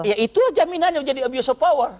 ya itulah jaminannya jadi abuse of power